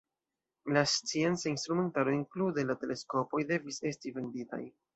La scienca instrumentaro inklude la teleskopoj, devis esti vendita.